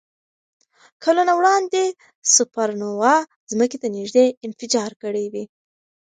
کلونه وړاندې سوپرنووا ځمکې ته نږدې انفجار کړی وي.